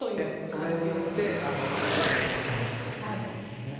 それによってロシアがメンツを保つということですね。